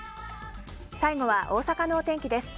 最後は大阪のお天気です。